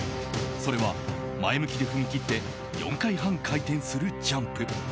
それは前向きで踏み切って４回半回転するジャンプ。